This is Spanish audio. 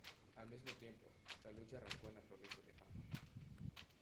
Al mismo tiempo, la lucha arrancó en la provincia de Hama.